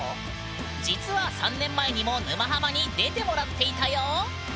実は３年前にも「沼ハマ」に出てもらっていたよ。